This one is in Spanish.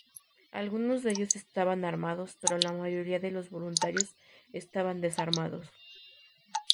Algunos de ellos estaban armados, pero la mayoría de los voluntarios estaban desarmados.